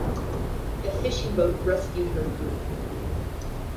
A fishing boat rescued her crew.